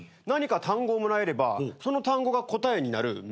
何か単語をもらえればその単語が答えになる